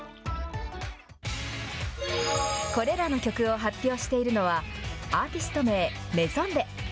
これらの曲を発表しているのは、アーティスト名、ＭＡＩＳＯＮｄｅｓ。